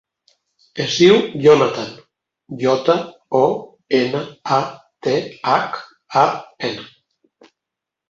Es diu Jonathan: jota, o, ena, a, te, hac, a, ena.